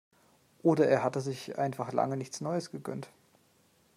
Oder er hatte sich einfach lange nichts Neues gegönnt.